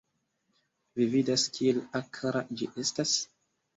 Vi vidas, kiel akra ĝi eŝtas?